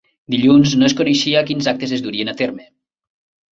Dilluns no es coneixia quins actes es durien a terme.